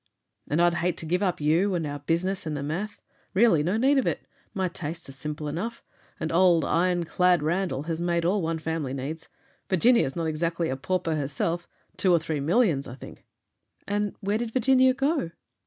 "And I'd hate to give up you, and our business, and the math. Really no need of it. My tastes are simple enough. And old 'Iron clad' Randall has made all one family needs. Virginia's not exactly a pauper, herself. Two or three millions, I think." "And where did Virginia go?"